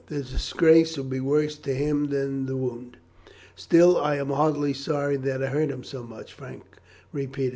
The disgrace will be worse to him than the wound." "Still, I am heartily sorry that I hurt him so much," Frank repeated.